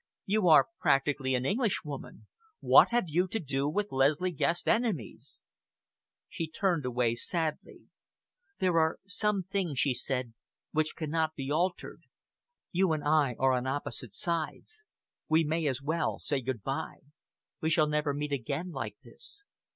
You are practically an Englishwoman. What have you to do with Leslie Guest's enemies?" She turned away sadly. "There are some things," she said, "which cannot be altered. You and I are on opposite sides. We may as well say good bye. We shall never meet again like this."